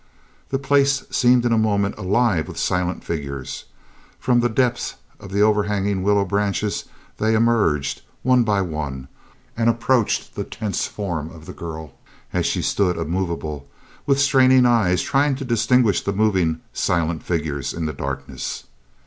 The place seemed in a moment alive with silent figures. From the depths of the overhanging willow branches they emerged, one by one, and approached the tense form of the girl as she stood immovable, with straining eyes trying to distinguish the moving, silent figures in the darkness.